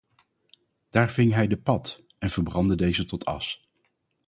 Daar ving hij de pad, en verbrandde deze tot as.